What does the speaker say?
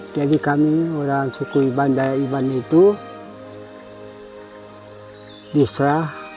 jadi kami orang suku iban dayak iban itu diserah